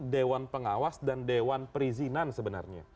dewan pengawas dan dewan perizinan sebenarnya